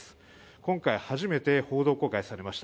今回初めて報道公開されました。